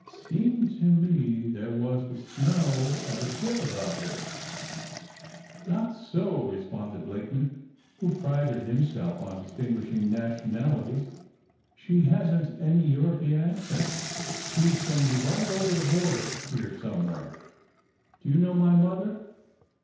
"Seemed to me there was the smell of a ship about her." "Not so," responded Blakeman who prided himself on distinguishing nationalities. "She hasn't any European accent. She's from right over the border here somewhere." "Do you know my mother?"